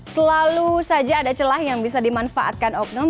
selalu saja ada celah yang bisa dimanfaatkan oknum